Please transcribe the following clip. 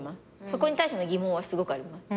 そこに対しての疑問はすごくあります。